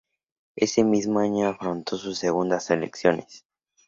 Ese mismo año afrontó sus segundas elecciones.